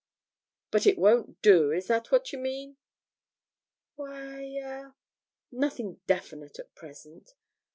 'But it won't do? Is that what you mean?' 'Why er nothing definite at present.